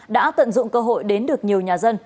đã tận dụng cơ hội đến được nhiều nhà dân